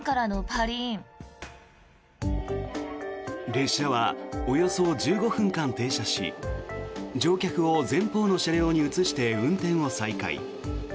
列車はおよそ１５分間停車し乗客を前方の車両に移して運転を再開。